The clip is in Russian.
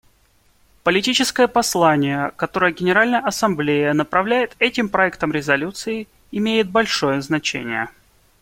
Политическое послание, которое Генеральная Ассамблея направляет этим проектом резолюции, имеет большое значение.